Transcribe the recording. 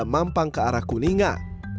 mampang ke arah kuningan